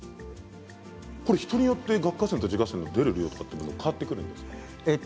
人によって顎下腺と耳下腺出る量が変わってくるんですか？